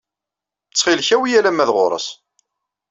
Ttxil-k awi-yi alamma d ɣur-s.